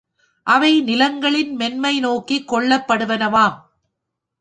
அவை நிலங்களின் மென்மை நோக்கிக் கொள்ளப்படுவனவாம்.